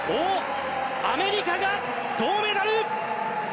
アメリカが銅メダル！